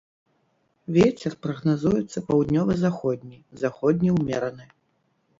Вецер прагназуецца паўднёва-заходні, заходні ўмераны.